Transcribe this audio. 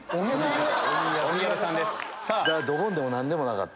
ドボンでも何でもなかった。